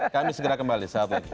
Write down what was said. kami segera kembali